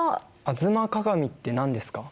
「吾妻鏡」って何ですか？